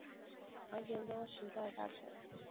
唐玄宗时代大臣。